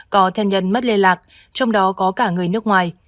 có thân nhân mất liên lạc trong đó có cả người nước ngoài